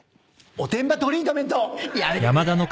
おてんばトリートメント。